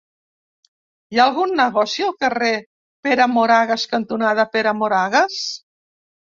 Hi ha algun negoci al carrer Pere Moragues cantonada Pere Moragues?